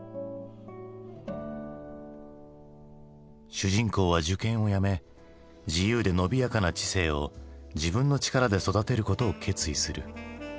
主人公は受験をやめ自由で伸びやかな知性を自分の力で育てることを決意する。